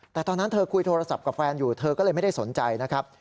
แต่ตอนนั้นเธอคุยโทรศัพท์กับแฟนอยู่เธอก็เลยไม่ได้สนใจนะครับ